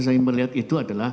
saya melihat itu adalah